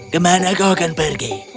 kemana kau akan pergi